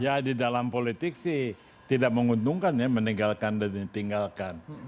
ya di dalam politik sih tidak menguntungkan ya meninggalkan dan ditinggalkan